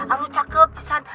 aduh cakep pisan